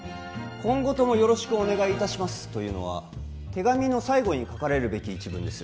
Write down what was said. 「今後とも宜しくお願い致します」というのは手紙の最後に書かれるべき一文です